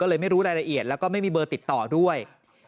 เลยไม่รู้รายละเอียดแล้วก็ไม่มีเบอร์ติดต่อด้วย